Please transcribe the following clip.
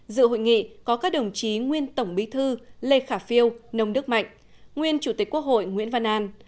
dự hội nghị có các đồng chí nguyên tổng bí thư lê khả phiêu nông đức mạnh nguyên chủ tịch quốc hội nguyễn văn an